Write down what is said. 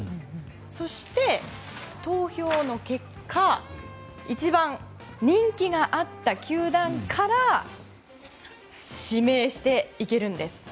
そして、投票の結果一番人気があった球団から指名していけるんです。